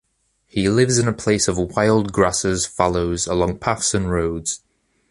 He lives in a place of wild grasses, fallows, along paths and roads.